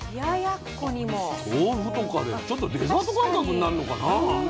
あ豆腐とかでちょっとデザート感覚になるのかな。